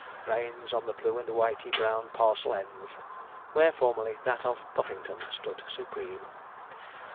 reigns on the blue and whitey brown parcel ends, where formerly that of Puffington stood supreme.